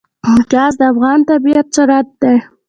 ګاز د افغانستان طبعي ثروت دی.